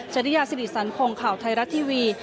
สิริยาสิริสันพงศ์ข่าวไทยรัฐทีวี